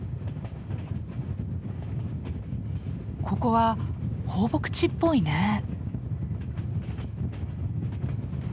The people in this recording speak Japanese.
ここは放牧地っぽいね。